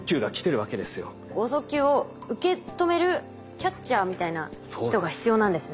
剛速球を受け止めるキャッチャーみたいな人が必要なんですね。